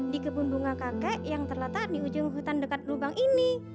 di kebun bunga kakek yang terletak di ujung hutan dekat lubang ini